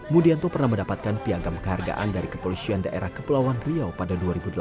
mudianto pernah mendapatkan piagam kehargaan dari kepolisian daerah kepulauan riau pada dua ribu delapan